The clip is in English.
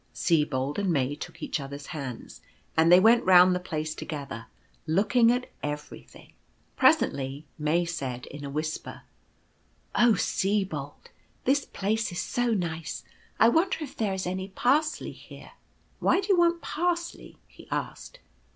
Sibold and May took each other's hands, and they went round the place together, looking at everything. Presently May said, in a whisper : tc Oh, Sibold, this place is so nice, I wonder if there is any Parsley here." <c Why do you want Parsley ?" he asked.